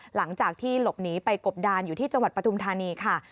หลังจากที่หลบหนีไปกบดานอยู่ที่จังหวัดปฐุมธานีค่ะ